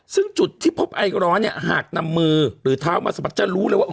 ซึ่งจุดที่พบไอร้อนเนี่ยหากนำมือหรือเท้ามาสะบัดจะรู้เลยว่า